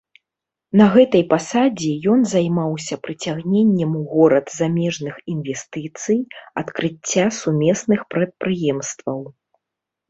На гэтай пасадзе ён займаўся прыцягненнем у горад замежных інвестыцый, адкрыцця сумесных прадпрыемстваў.